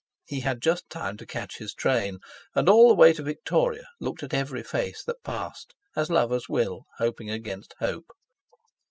He had just time to catch his train, and all the way to Victoria looked at every face that passed, as lovers will, hoping against hope.